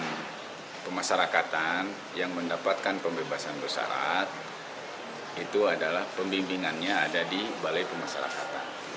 dan pemasarakatan yang mendapatkan pembebasan bersyarat itu adalah pembimbingannya ada di balai pemasyarakatan